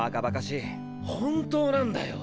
本当なんだよ！